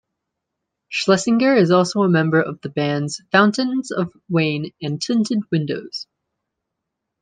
Schlesinger is also a member of the bands Fountains of Wayne and Tinted Windows.